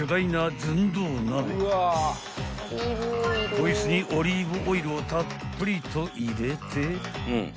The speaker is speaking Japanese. ［こいつにオリーブオイルをたっぷりと入れて］